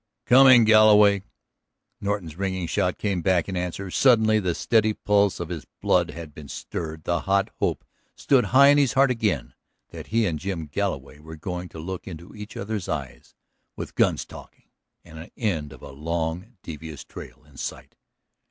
"Coming, Galloway!" Norton's ringing shout came back in answer. Suddenly the steady pulse of his blood had been stirred, the hot hope stood high in his heart again that he and Jim Galloway were going to look into each other's eyes with guns talking and an end of a long devious trail in sight.